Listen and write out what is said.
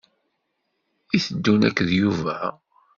I teddum akked Yuba?